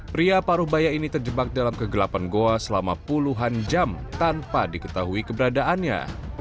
pria paruh baya ini terjebak dalam kegelapan goa selama puluhan jam tanpa diketahui keberadaannya